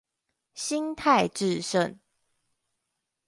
心態致勝